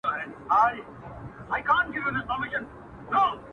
یو په یو مي د مرګي غېږ ته لېږلي-